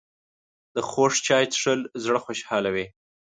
د خوږ چای څښل زړه خوشحالوي